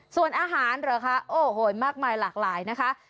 ส่วนอาหารเหรอคะโอ้โหมากมายหลากหลายนะคะ